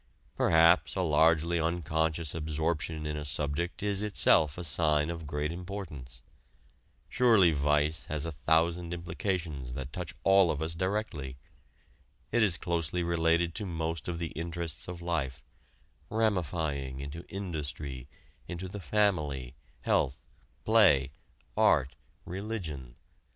Perhaps a largely unconscious absorption in a subject is itself a sign of great importance. Surely vice has a thousand implications that touch all of us directly. It is closely related to most of the interests of life ramifying into industry, into the family, health, play, art, religion.